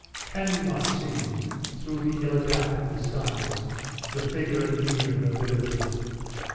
can you not see, through the ill adapted disguise, the figure and mien of nobility?